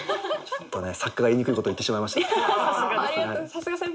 作家が言いにくいこと言ってしまいました。